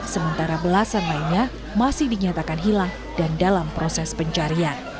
sementara belasan lainnya masih dinyatakan hilang dan dalam proses pencarian